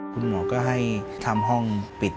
คุณหมอก็ให้ทำห้องปิด